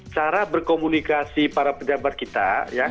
cara berkomunikasi para pejabat kita